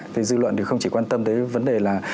thì dư luận thì không chỉ quan tâm tới vấn đề là